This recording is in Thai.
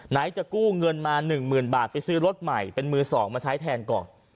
ไหนจะกู้เงินมา๑๐๐๐บาทไปซื้อรถใหม่เป็นมือ๒มาใช้แทนก่อน